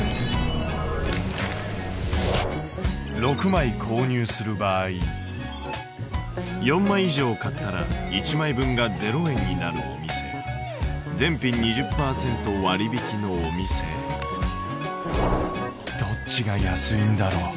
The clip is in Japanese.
６枚購入する場合４枚以上買ったら１枚分が０円になるお店全品２０％割引のお店どっちが安いんだろう？